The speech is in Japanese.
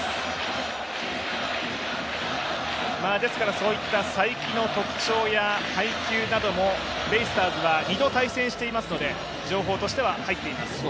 そういった才木の特徴や配球などもベイスターズは２度対戦していますので、情報も入っています。